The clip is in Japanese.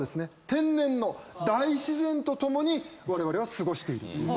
天然の大自然と共にわれわれは過ごしていっている。